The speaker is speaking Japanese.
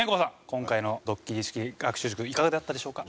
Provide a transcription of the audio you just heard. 今回の『ドッキリ式学習塾』いかがだったでしょうか？